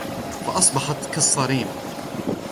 فأصبحت كالصريم